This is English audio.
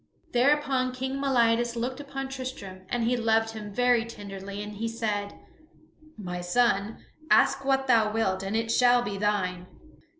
Thereupon King Meliadus looked upon Tristram, and he loved him very tenderly and he said: "My son, ask what thou wilt, and it shall be thine."